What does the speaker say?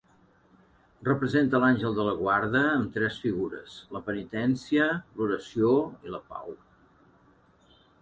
Representa l'àngel de la guarda amb tres figures: la penitència, l'oració i la pau.